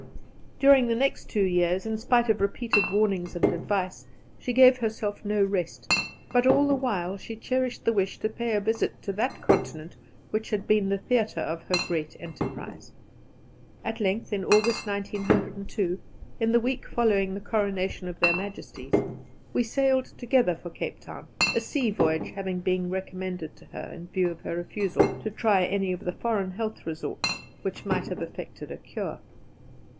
During the next two years, in spite of repeated warnings and advice, she gave herself no rest, but all the while she cherished the wish to pay a visit to that continent which had been the theatre of her great enterprise. At length, in August, 1902, in the week following the coronation of Their Majesties, we sailed together for Cape Town, a sea voyage having been recommended to her in view of her refusal to try any of the foreign health resorts, which might have effected a cure.